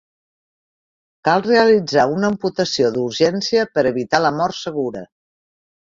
Cal realitzar una amputació d'urgència per evitar la mort segura.